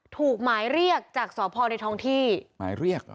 ถูกหมายเรียกจากสพในท้องที่หมายเรียกเหรอ